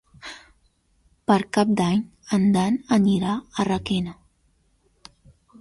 Per Cap d'Any en Dan anirà a Requena.